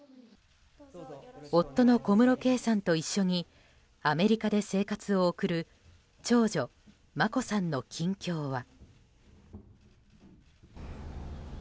夫の小室圭さんと一緒にアメリカで生活を送る長女・眞子さんの近況は。